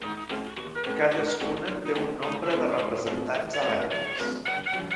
Cadascuna té un nombre de representants electes.